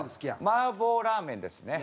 マーボラーメンですね。